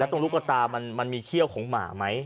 ตรงลูกกระตามันมีเขี้ยวของหมาไหม